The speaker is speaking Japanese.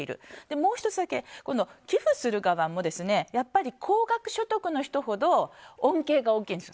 もう１つだけ寄付する側も、高額所得の人ほど恩恵が大きいです。